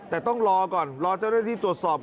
แต่ต้องรอก่อนรอเจ้าหน้าที่ตรวจสอบ